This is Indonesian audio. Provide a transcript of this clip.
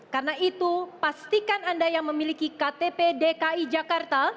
karena itu pastikan anda yang memiliki ktp dki jakarta